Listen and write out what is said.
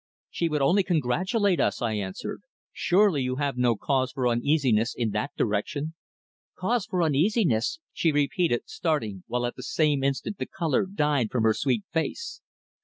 "She would only congratulate us," I answered. "Surely you have no cause for uneasiness in that direction?" "Cause for uneasiness!" she repeated, starting, while at that same instant the colour died from her sweet face.